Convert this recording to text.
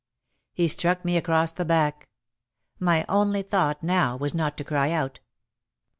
He struck me across the back. My only thought now was not to cry out.